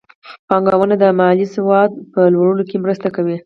بانکونه د مالي سواد په لوړولو کې مرسته کوي.